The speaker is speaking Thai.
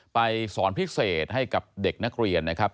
สอนพิเศษให้กับเด็กนักเรียนนะครับ